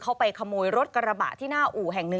เขาไปขโมยรถกระบะที่หน้าอู่แห่งหนึ่ง